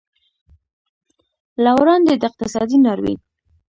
له وړاندې د اقتصادي ناورین